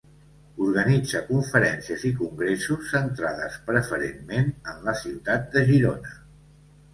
Organitza conferències i congressos centrades preferentment en la ciutat de Girona.